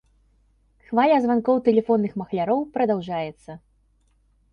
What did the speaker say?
Хваля званкоў тэлефонных махляроў прадаўжаецца.